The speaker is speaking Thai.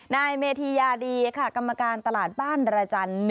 นายเมธียาดีค่ะกรรมการตลาดบ้านระจันทร์